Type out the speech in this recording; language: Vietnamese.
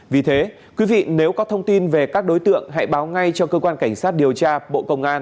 vì thế quý vị nếu có thông tin về các đối tượng hãy báo ngay cho cơ quan cảnh sát điều tra bộ công an